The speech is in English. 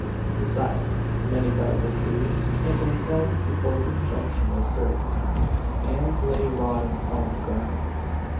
Besides, many valuable trees had been felled before the injunction was served, and lay rotting on the ground.